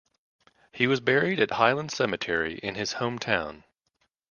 He was buried at Highland Cemetery in his hometown.